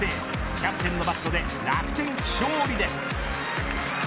キャプテンのバットで楽天、勝利です。